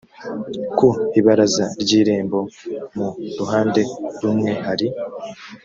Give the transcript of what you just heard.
ku ibaraza ry irembo mu ruhande rumwe hari